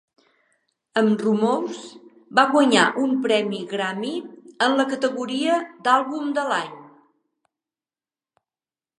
Amb "Rumours" va guanyar un premi Grammy en la categoria d'Àlbum de l'any.